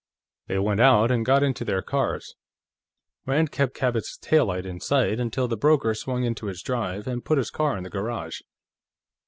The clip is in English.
They went out and got into their cars. Rand kept Cabot's taillight in sight until the broker swung into his drive and put his car in the garage.